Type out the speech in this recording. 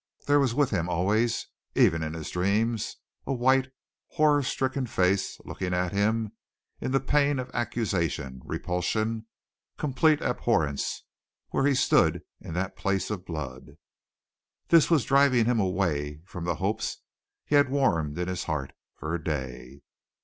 There was with him always, even in his dreams, a white, horror stricken face looking at him in the pain of accusation, repulsion, complete abhorrence, where he stood in that place of blood. This was driving him away from the hopes he had warmed in his heart for a day.